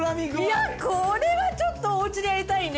いやこれはちょっとお家でやりたいね。